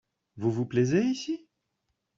Vous vous plaisez ici ?